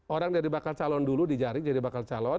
orang dari bakal calon dulu dijaring jadi bakal calon